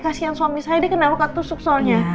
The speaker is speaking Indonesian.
kasian suami saya dia kena luka tusuk soalnya